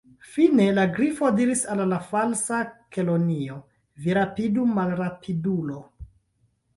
Fine, la Grifo diris al la Falsa Kelonio: "Vi rapidu, malrapidulo! «